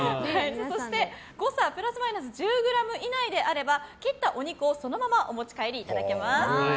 そして、誤差プラスマイナス１０ｇ以内であれば切ったお肉をそのままお持ち帰りいただけます。